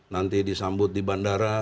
nanti disambut di bandara